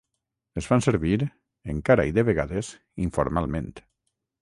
Es fan servir, encara i de vegades, informalment.